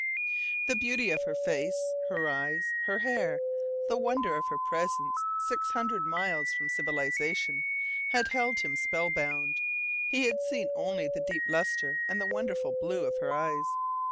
The beauty of her face, her eyes, her hair the wonder of her presence six hundred miles from civilization had held him spellbound. He had seen only the deep lustre and the wonderful blue of her eyes.